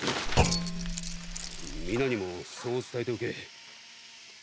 皆にもそう伝えておけ。